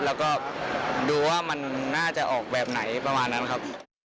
แล้วก็ดูว่ามันน่าจะออกแบบไหนประมาณนั้นครับ